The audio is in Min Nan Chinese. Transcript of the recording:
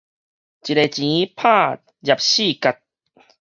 一个錢拍廿四个結